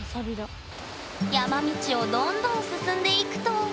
山道をどんどん進んでいくとま